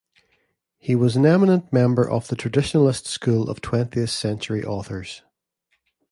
He was an eminent member of the "Traditionalist School" of twentieth-century authors.